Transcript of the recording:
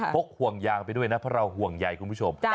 กห่วงยางไปด้วยนะเพราะเราห่วงใยคุณผู้ชม